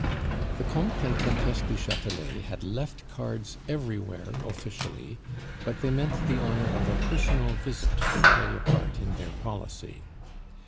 The Comte and Comtesse du Chatelet had left cards everywhere officially, but they meant the honor of a personal visit to play a part in their policy.